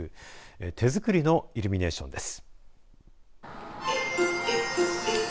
手作りのイルミネーションです。